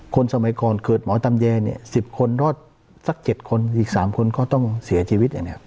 คนสมัยกรเคิดหมอตำแย๑๐คนรอด๗คนอีก๓คนก็ต้องเสียชีวิต